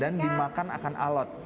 dan dimakan akan alot